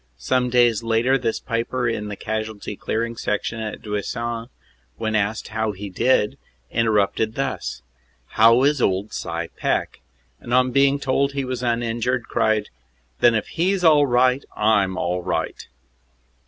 Some days later this piper in the Casualty Clearing Station at Duisans, when asked how he did, interrupted thus: "How is old Cy Peck?" and on being told he was uninjured, cried, "Then if he s all right, I m all right!"